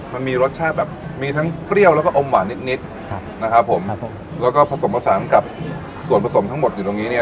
มันมีรสชาติแบบมีทั้งเปรี้ยวแล้วก็อมหวานนิดนิดครับนะครับผมครับผมแล้วก็ผสมผสานกับส่วนผสมทั้งหมดอยู่ตรงนี้เนี่ย